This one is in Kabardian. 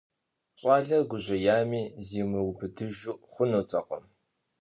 ЩӀалэр гужьеями, зимыубыдыжу хъунутэкъым.